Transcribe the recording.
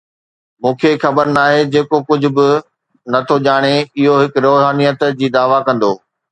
مون کي خبر ناهي، جيڪو ڪجهه به نه ٿو ڄاڻي، اهو هڪ روحانيت جي دعوي ڪندو.